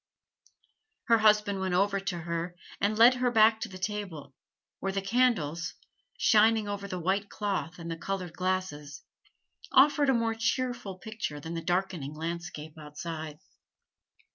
Her husband went over to her and led her back to the table, where the candles, shining over the white cloth and the colored glasses, offered a more cheerful picture than the darkening landscape outside.